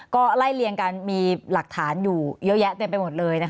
ก็ไล่เลี่ยงกันมีหลักฐานอยู่เยอะแยะเต็มไปหมดเลยนะคะ